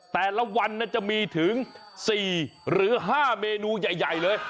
แต่ละวันจะมีถึง๔หรือ๕เมนูใหญ่เลย